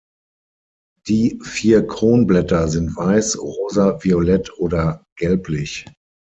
Die vier Kronblätter sind weiß, rosa, violett oder gelblich.